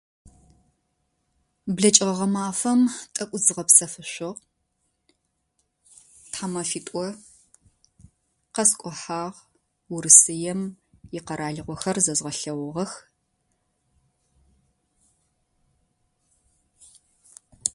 Блэкӏыгъэ гъэмафэм тӏэкӏу зызгъэпсэфышъугъ. Тхьэмэфитӏо. Къэскӏухьагъ, Урысыем и къэралыгъохэр зэзгъэлъэгъугъэх.